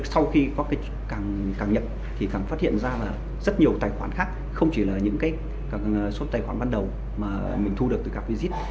sau khi có cái càng nhận thì càng phát hiện ra là rất nhiều tài khoản khác không chỉ là những cái số tài khoản ban đầu mà mình thu được từ càng vigit